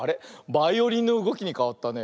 バイオリンのうごきにかわったね。